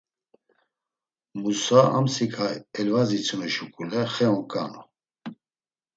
Musa amtsika elvazitsinu şuǩule xe oǩanu.